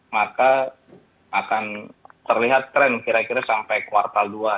maka akan terlihat tren kira kira sampai kuartal dua